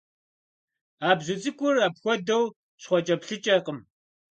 А бзу цӀыкӀур апхуэдэу щхъуэкӀэплъыкӀэкъым.